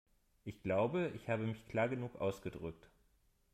Ich glaube, ich habe mich klar genug ausgedrückt.